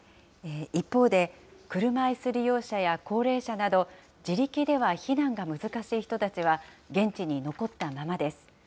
一方で、車いす利用者や高齢者など、自力では避難が難しい人たちは現地に残ったままです。